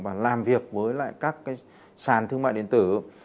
và làm việc với các sàn thương mại điện tử